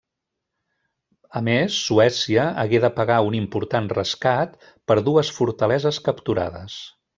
A més, Suècia hagué de pagar un important rescat per dues fortaleses capturades.